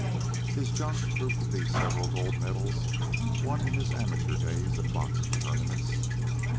His junk proved to be several gold medals won in his amateur days at boxing tournaments.